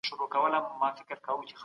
جانانه داده محبت کار په سلګيو نه سي